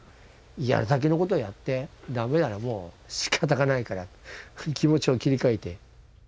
やるだけのことはやって駄目ならもうしかたがないから気持ちを切り替えて。